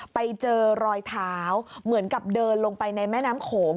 ไปเจอรอยเท้าเหมือนกับเดินลงไปในแม่น้ำโขง